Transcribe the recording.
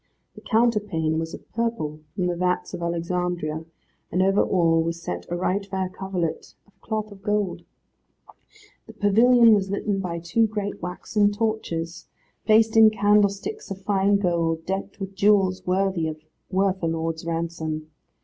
The counterpane was of purple from the vats of Alexandria, and over all was set a right fair coverlet of cloth of gold. The pavilion was litten by two great waxen torches, placed in candlesticks of fine gold, decked with jewels worth a lord's ransom.